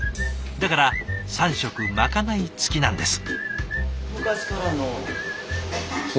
だから３食まかない付きなんです。